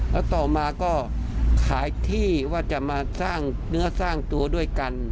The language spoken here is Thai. แล้วต่อมาก็ขายที่ว่าจะมาสร้างเนื้อสร้างตัวด้วยกัน